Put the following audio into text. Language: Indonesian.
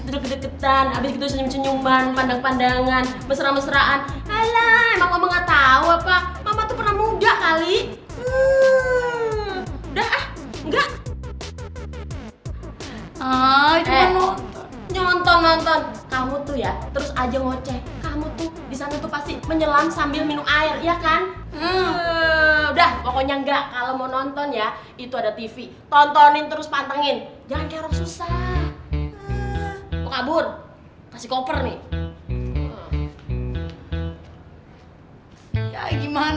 kalau tidak pertandingan akan sibuk berubah